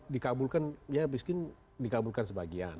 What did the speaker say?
dikabulkan ya miskin dikabulkan sebagian